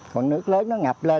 còn nước lớn nó ngập lên